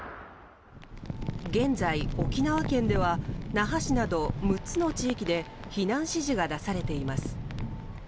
現在、沖縄県では那覇市など６つの地域で避難指示が出されています。